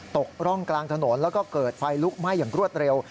ตกร่องกลางถนนแล้วก็เกิดไฟลุกไหม้อย่างรวดเร็ว